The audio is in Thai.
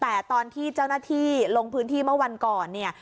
แต่ตอนที่เจ้าหน้าที่ลงพื้นที่เมื่อวันก่อนเนี่ย